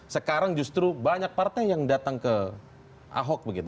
sekarang justru banyak partai yang datang ke ahok begitu